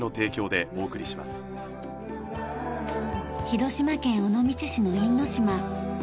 広島県尾道市の因島。